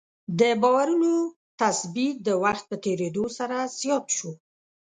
د باورونو تثبیت د وخت په تېرېدو سره زیات شو.